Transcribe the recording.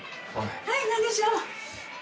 はい何でしょう？